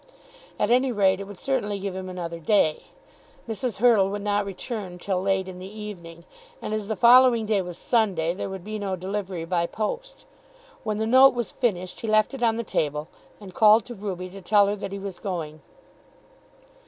At any rate it would certainly give him another day. Mrs. Hurtle would not return till late in the evening, and as the following day was Sunday there would be no delivery by post. When the note was finished he left it on the table, and called to Ruby to tell her that he was going.